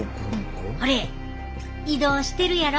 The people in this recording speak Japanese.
ほれ移動してるやろ。